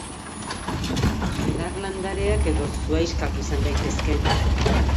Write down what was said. Belar landareak edo zuhaixkak izan daitezke.